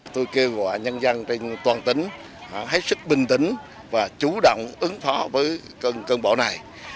tôi kêu gọi nhân dân trên toàn tỉnh hãy sức bình tĩnh và chủ động ứng phó với cơn bão này